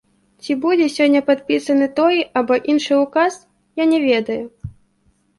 Ці будзе сёння падпісаны той або іншы ўказ, я не ведаю.